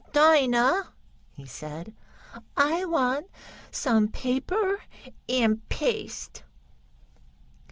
"Dinah," he said, "I want some paper and paste."